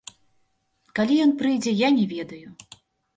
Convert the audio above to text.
Калі ён прыйдзе, я не ведаю.